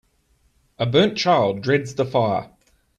A burnt child dreads the fire